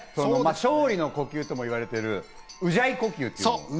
今日は勝利の呼吸とも言われているウジャイ呼吸。